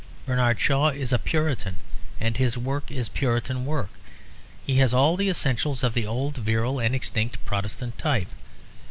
Bernard Shaw is a Puritan and his work is Puritan work. He has all the essentials of the old, virile and extinct Protestant type.